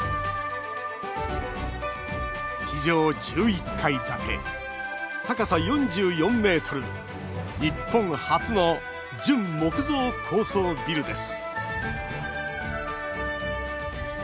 地上１１階建て、高さ４４ｍ日本初の純木造高層ビルです